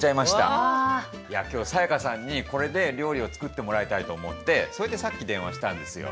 いや今日才加さんにこれで料理を作ってもらいたいと思ってそれでさっき電話したんですよ。